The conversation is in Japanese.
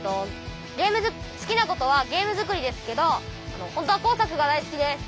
好きなことはゲーム作りですけど本当は工作が大好きです。